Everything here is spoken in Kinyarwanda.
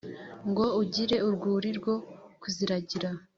ngo ugire urwuri rwo kuziragira